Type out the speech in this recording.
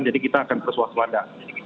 jadi kita akan terus waspada